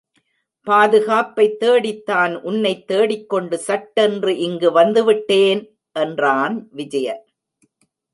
பாதுகாப்பைத்தேடித்தான் உன்னை தேடிக் கொண்டு சட்டென்று இங்கு வந்து விட்டேன்? என்றான் விஜயன்.